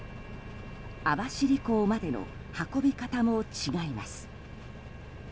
網走港までの運び方も違います。